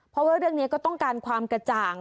เพราะว่าเรื่องนี้ก็ต้องการความกระจ่าง